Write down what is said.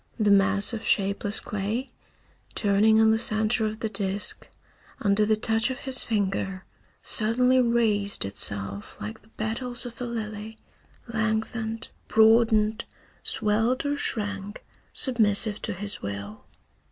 The mass of shapeless clay, turning on the center of the disk, under the touch of his finger, suddenly raised itself like the petals of a lily, lengthened, broadened, swelled or shrank, submissive to his will.